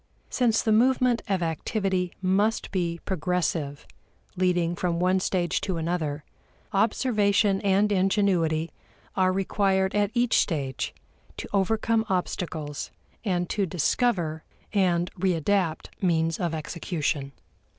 Since the movement of activity must be progressive, leading from one stage to another, observation and ingenuity are required at each stage to overcome obstacles and to discover and readapt means of execution.